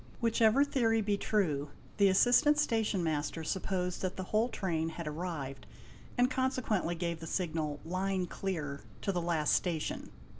Whichever theory be true, the assistant station master supposed that the whole train had arrived and consequently gave the signal "'line clear,'' to the last station.